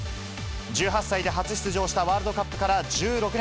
１８歳で初出場したワールドカップから１６年。